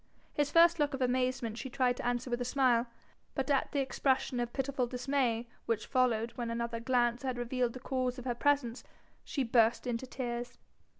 His first look of amazement she tried to answer with a smile, but at the expression of pitiful dismay which followed when another glance had revealed the cause of her presence, she burst into tears.